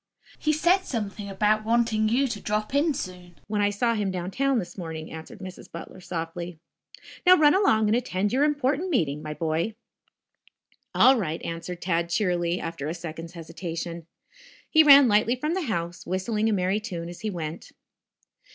"He said something about wanting you to drop in soon, when I saw him downtown this morning," answered Mrs. Butler softly. "Now, run along and attend your important meeting, my boy." "All right," answered Tad cheerily, after a second's hesitation. He ran lightly from the house, whistling a merry tune as he went.